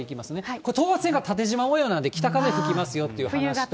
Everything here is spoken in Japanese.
これ、等圧線が縦じま模様なんで、北風吹きますよという。